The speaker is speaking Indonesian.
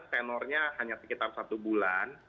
tenornya hanya sekitar satu bulan